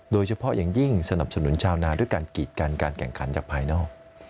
โดยเฉพาะอย่างยิ่งสนับสนุนชาวนาด้วยการกีดกันการแข่งขันจากภายนอก